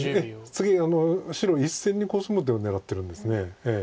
次白１線にコスむ手を狙ってるんです。